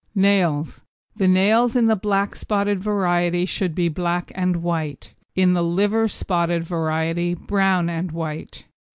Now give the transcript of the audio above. NAILS The nails in the black spotted variety should be black and white in the liver spotted variety brown and white.